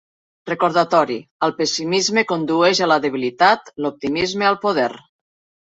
Recordatori: el pessimisme condueix a la debilitat, l'optimisme al poder.